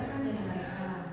yang ada di mou